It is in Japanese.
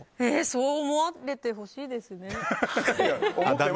そう思われててほしいですね。